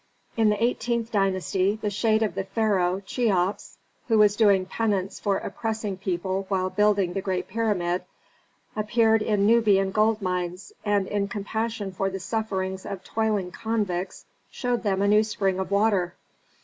"In the eighteenth dynasty the shade of the pharaoh, Cheops, who was doing penance for oppressing people while building the great pyramid, appeared in Nubian gold mines, and in compassion for the sufferings of toiling convicts showed them a new spring of water."